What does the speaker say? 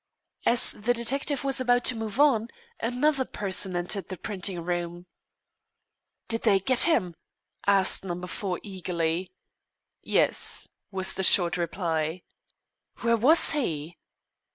As the detective was about to move on, another person entered the printing room. "Did they get him?" asked Number Four eagerly. "Yes," was the short reply. "Where was he?"